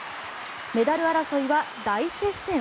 メダル争いは大接戦。